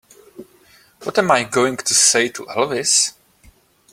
What am I going to say to Elvis?